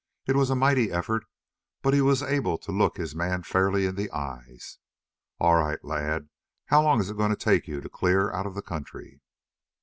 It was a mighty effort, but he was able to look his man fairly in the eyes. "All right, lad. How long is it going to take you to clear out of the country?"